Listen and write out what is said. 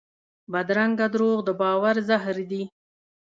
بدرنګه دروغ د باور زهر دي